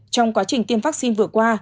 trong quá trình tiêm vaccine vừa qua